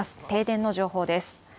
停電の情報です